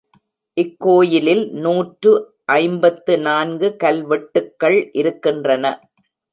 இக்கோயிலில் நூற்று ஐம்பத்து நான்கு கல்வெட்டுக்கள் இருக்கின்றன.